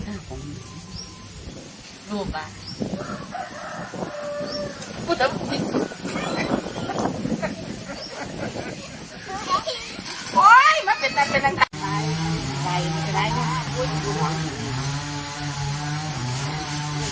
เห็นกันดีเด้อยังให้ได้ดีเด้อแม่นแม่น